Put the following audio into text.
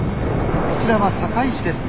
こちらは堺市です。